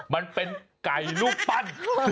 มันเป็นไก่รูปปั้น